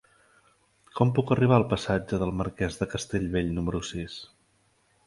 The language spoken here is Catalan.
Com puc arribar al passatge del Marquès de Castellbell número sis?